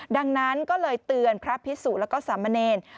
ดังนั้นก็เลยเตือนพระพิสุแล้วก็สามเณร